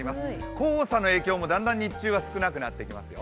黄砂の影響もだんだん少なくなってきますよ。